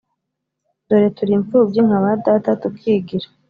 Dore turi impfubyi nta ba data tukigira,